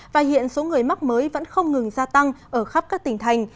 và hiện số người mắc mới vẫn không ngừng gia tăng ở khắp các tỉnh thành